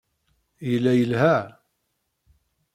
Yella yelha.